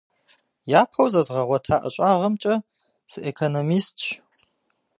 Япэу зэзгъэгъуэта ӀэщӀагъэмкӀэ сыэкономистщ.